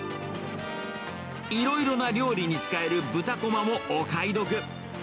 いろいろな料理に使える豚こまもお買い得。